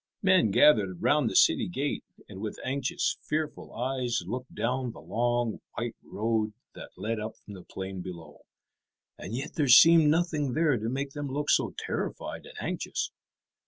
Men gathered round the city gate, and with anxious, fearful eyes looked down the long white road that led up from the plain below. And yet there seemed nothing there to make them look so terrified and anxious.